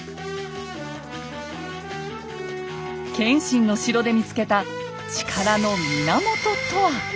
謙信の城で見つけた力の源とは？